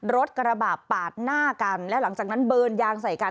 รถกระบะปาดหน้ากันและหลังจากนั้นเบิร์นยางใส่กัน